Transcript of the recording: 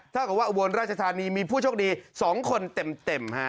ถ้าเกิดว่าอุบลราชธานีมีผู้โชคดี๒คนเต็มฮะ